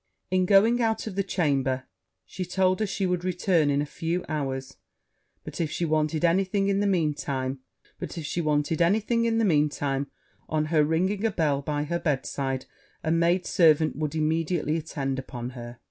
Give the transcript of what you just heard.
In going out of the chamber, she told her she should return in a few hours; but if she wanted any thing in the mean time, on her ringing a bell by her bedside, a maid servant would immediately attend upon her.